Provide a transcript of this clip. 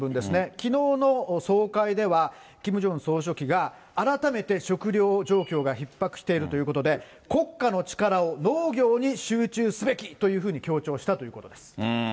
きのうの総会では、キム・ジョンウン総書記が、改めて食料状況がひっ迫しているということで、国家の力を農業に集中すべきというふうに強調したということです。